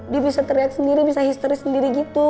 dia bisa teriak sendiri bisa histeris sendiri gitu